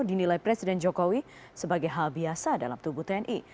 dinilai presiden jokowi sebagai hal biasa dalam tubuh tni